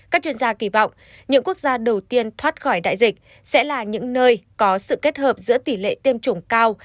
các chuyên gia kỳ vọng những quốc gia đầu tiên thoát khỏi đại dịch sẽ là những nơi có sự kết hợp giữa tỷ lệ tiêm chủng cao